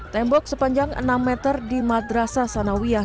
tembok sepanjang enam meter di madrasah sanawiah